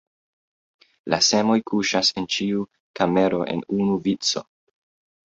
La semoj kuŝas en ĉiu kamero en unu vico.